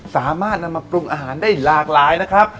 สามารถนำมาปรุงอาหารได้หลากหลายนะครับ